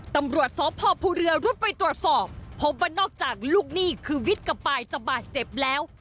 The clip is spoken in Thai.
ตำรวจสพภูเรือรุดไปตรวจสอบพบว่านอกจากลูกหนี้คือวิทย์กับปายจะบาดเจ็บแล้ว